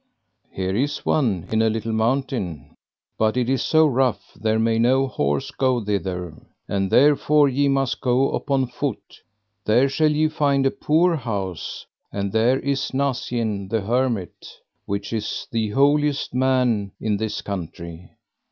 Here is one in a little mountain, but it is so rough there may no horse go thither, and therefore ye must go upon foot; there shall ye find a poor house, and there is Nacien the hermit, which is the holiest man in this country.